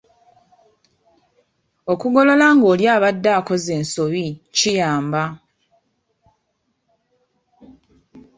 Okugolola ng’oli abadde akoze ensobi kiyamba.